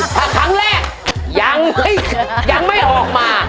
ถ้าครั้งแรกยังไม่ออกมา